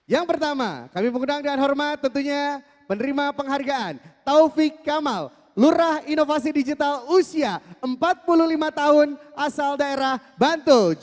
yang pertama kami mengundang dengan hormat tentunya penerima penghargaan taufik kamal lurah inovasi digital usia empat puluh lima tahun asal daerah bantul